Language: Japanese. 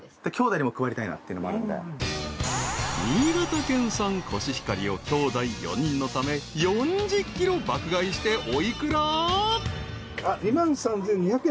［新潟県産コシヒカリをきょうだい４人のため４０ｋｇ爆買いしてお幾ら？］